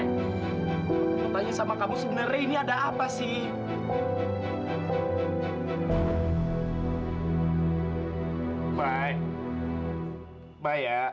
ngobrol sama kamu sebenarnya ini ada apa sih